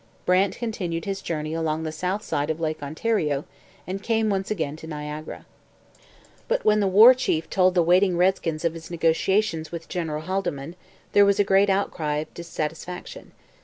Brant continued his journey along the south side of Lake Ontario, and came once again to Niagara. But when the War Chief told the waiting redskins of his negotiations with General Haldimand there was a great outcry of dissatisfaction.